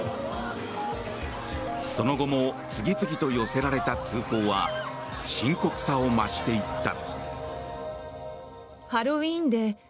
その後も次々と寄せられた通報は深刻さを増していった。